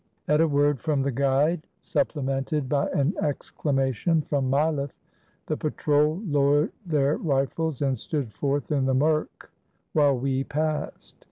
At a word from the guide, supplemented by an excla mation from Mileff, the patrol lowered their rifles and 423 THE BALKAN STATES stood forth in the murk while we passed.